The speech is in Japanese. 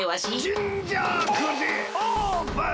ジンジャーくじオープン！